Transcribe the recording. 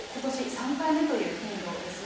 ３回目という頻度ですね。